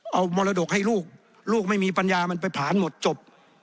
เอามรดกให้ลูกลูกไม่มีปัญญามันไปผลาญหมดจบ